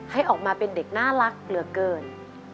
ให้ออกมาเป็นเด็กน่ารักเหลือเกิน